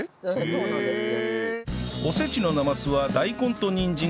そうなんですか。